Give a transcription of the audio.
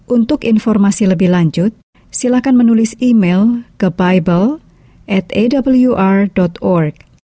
untuk informasi lebih lanjut silahkan menulis email ke bible atawr org